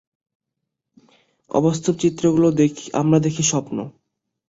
অবাস্তব চিত্রগুলো আমরা দেখি স্বপ্ন।